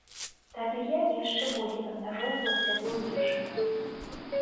Тады я яшчэ болей абмяжоўвала сябе ў ежы.